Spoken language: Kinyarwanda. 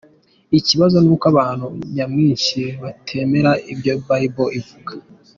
Ikibazo nuko abantu nyamwinshi batemera ibyo Bible ivuga.